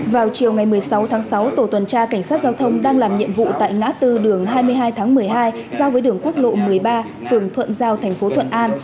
vào chiều ngày một mươi sáu tháng sáu tổ tuần tra cảnh sát giao thông đang làm nhiệm vụ tại ngã tư đường hai mươi hai tháng một mươi hai giao với đường quốc lộ một mươi ba phường thuận giao thành phố thuận an